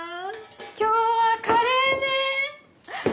今日はカレーね？